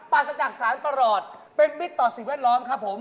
ปรัสยักษณ์สารประหลอดเป็นมิตรต่อสิบแวดร้อนครับผม